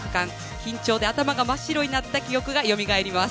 緊張で頭が真っ白になった記憶がよみがえります。